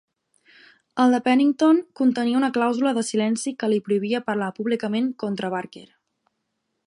El de Pennington contenia una clàusula de silenci que li prohibia parlar públicament contra Barker.